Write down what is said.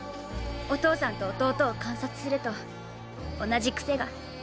お父さんと弟を観察すると同じ癖が。